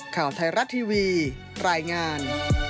ข่าวไทยรัฐทีวีรายงาน